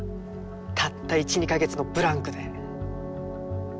たった１２か月のブランクで。